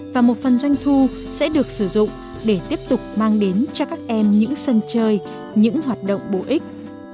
và một phần doanh thu sẽ được sử dụng để tiếp tục mang đến cho các em những sân chơi những hoạt động bổ ích